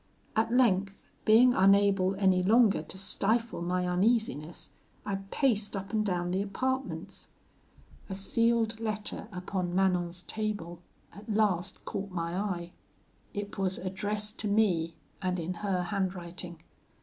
At length, being unable any longer to stifle my uneasiness, I paced up and down the apartments. A sealed letter upon Manon's table at last caught my eye. It was addressed to me, and in her handwriting.